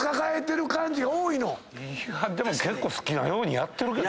いやでも結構好きなようにやってるけど。